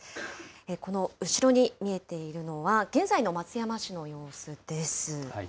この後ろに見えているのは、現在の松山市の様子です。